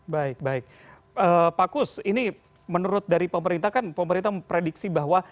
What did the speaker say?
baik baik pak kus ini menurut dari pemerintah kan pemerintah memprediksi bahwa